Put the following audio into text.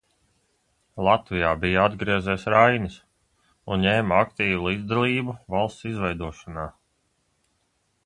Latvijā bija atgriezies Rainis un ņēma aktīvu līdzdalību valsts izveidošanā.